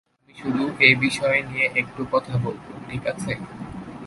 আমি শুধু এ নিয়ে একটু কথা বলবো, ঠিক আছে?